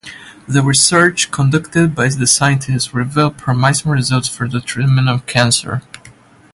The research conducted by the scientists revealed promising results for the treatment of cancer.